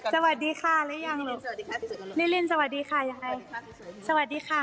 สวัสดีค่ะหรือยังลูก